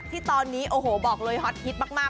ที่ตอนนี้โอ้โหบอกเลยฮอตฮิตมาก